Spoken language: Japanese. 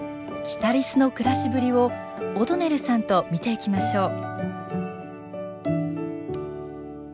キタリスの暮らしぶりをオドネルさんと見ていきましょう。